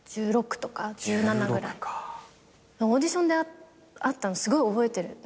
オーディションで会ったのすごい覚えてる。